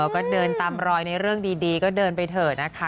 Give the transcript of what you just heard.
ก็เดินตามรอยในเรื่องดีก็เดินไปเถอะนะคะ